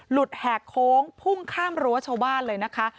แหกโค้งพุ่งข้ามรั้วชาวบ้านเลยนะคะ